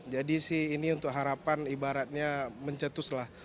jadi sih ini untuk harapan ibaratnya mencetus lah